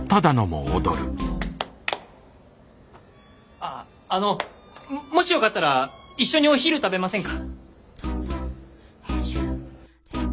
ああのもしよかったら一緒にお昼食べませんか？